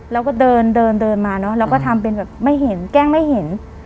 แล้วก็เดินเดินมาเนอะแล้วก็ทำเป็นแบบไม่เห็นแกล้งไม่เห็น